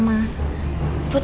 jadi mereka juga sudah berusaha